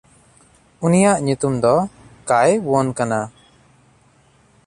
ᱩᱱᱤᱭᱟᱜ ᱧᱩᱛᱩᱢ ᱫᱚ ᱠᱟᱭᱶᱚᱱ ᱠᱟᱱᱟ᱾